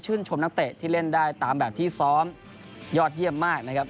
ชมนักเตะที่เล่นได้ตามแบบที่ซ้อมยอดเยี่ยมมากนะครับ